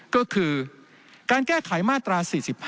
ก็คือการแก้ไขมาตรา๔๕